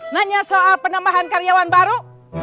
nanya soal penambahan karyawan baru